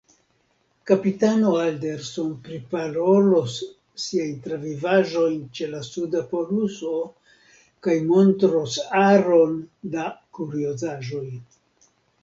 Kapitano Alderson priparolos siajn travivaĵojn ĉe la suda poluso kaj montros aron da kuriozaĵoj.